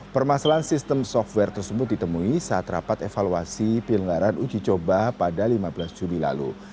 permasalahan sistem software tersebut ditemui saat rapat evaluasi pilihan uji coba pada lima belas juli lalu